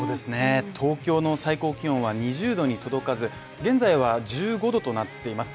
東京の最高気温は２０℃に届かず現在は１５℃となっています。